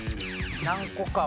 何個かは。